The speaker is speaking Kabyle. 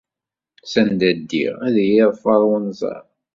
Sanda ddiɣ, ad iyi-yeḍfer wenẓar!